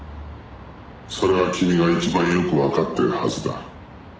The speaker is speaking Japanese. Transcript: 「それは君が一番よくわかってるはずだ」